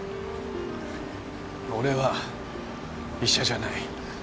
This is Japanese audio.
俺は医者じゃない